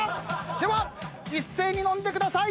では一斉に飲んでください。